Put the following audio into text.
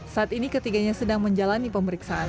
saat ini ketiganya sedang menjalani pemeriksaan